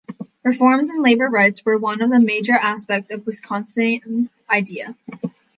Reforms in labor rights were one of the major aspects of the Wisconsin Idea.